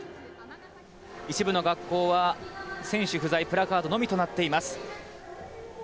一部の学校は選手のみプラカードのみとなっています。